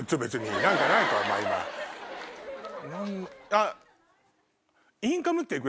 あっ！